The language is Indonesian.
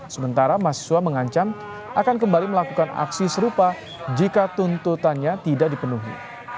sementara mahasiswa mengancam akan kembali melakukan aksi serupa jika tuntutannya tidak dipenuhi